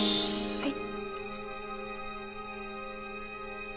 はい。